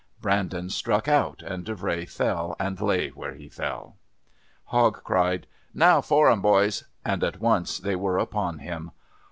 Brandon struck out, and Davray fell and lay where he fell. Hogg cried, "Now for 'im, boys ", and at once they were upon him.